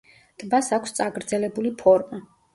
ტბას აქვს წაგრძელებული ფორმა.